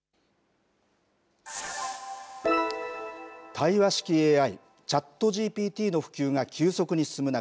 対話式ＡＩＣｈａｔＧＰＴの普及が急速に進む中